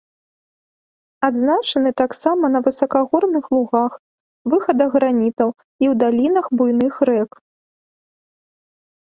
Адзначаны таксама на высакагорных лугах, выхадах гранітаў і ў далінах буйных рэк.